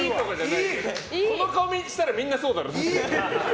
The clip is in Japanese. この顔したらみんな、そうだろ。